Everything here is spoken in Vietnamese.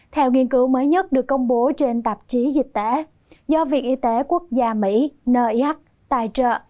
theo nghiên cứu mới nhất được công bố trên tạp chí dịch tễ do viện y tế quốc gia mỹ na yac tài trợ